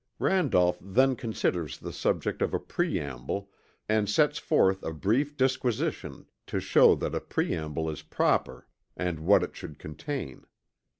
Randolph then considers the subject of a preamble and sets forth a brief disquisition to show that a preamble is proper and what it should contain.